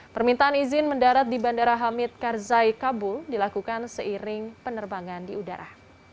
permintaan izin mendarat di bandara hamid karzai kabul dilakukan seiring penerbangan di udara